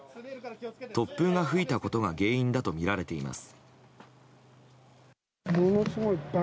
突風が吹いたことが原因だとみられています。